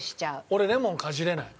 俺レモンかじれない。